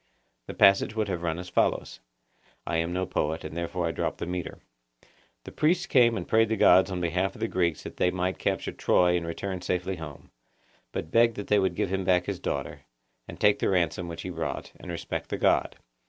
The passage would have run as follows (I am no poet, and therefore I drop the metre), 'The priest came and prayed the gods on behalf of the Greeks that they might capture Troy and return safely home, but begged that they would give him back his daughter, and take the ransom which he brought, and respect the God.